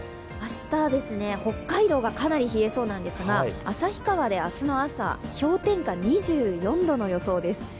明日、北海道がかなり冷えそうなんですが、旭川で明日の朝、氷点下２４度の予想です。